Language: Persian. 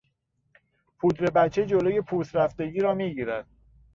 پودر بچه جلوی پوست رفتگی را میگیرد.